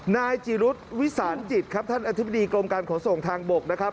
นายจิรุษวิสานจิตครับท่านอธิบดีกรมการขนส่งทางบกนะครับ